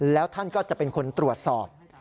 แล้วท่านก็จะเป็นคนตรวจสอบ